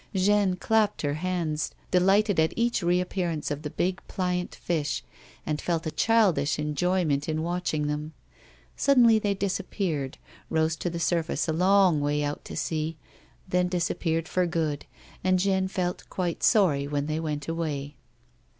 Jeanne clapped her hands, delighted at each reappearance of the big, pliant fish, and felt a childish enjoyment in watching them. Suddenly they disappeared, rose to the surface a long way out to sea, then disappeared for good, and Jeanne felt quite sorry when they went away.